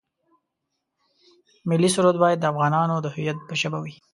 ملي سرود باید د افغانانو د هویت په ژبه وي.